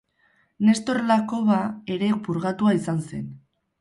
Nestor Lakoba ere purgatua izan zen.